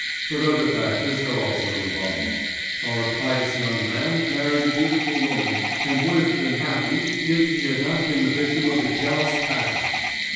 But other factors are also involved. Our pious young man married a beautiful woman and would have been happy if he had not been the victim of a jealous passion.